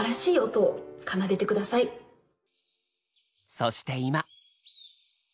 そして今。